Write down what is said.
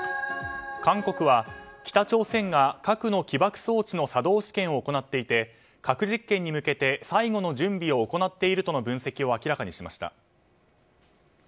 韓国は北朝鮮が核の起爆装置の作動試験を行っていて核実験へ向けて最後の準備を行っているとの分析を明らかにしました。